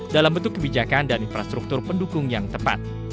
dalam bentuk kebijakan dan infrastruktur pendukung yang tepat